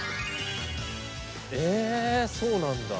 えそうなんだ。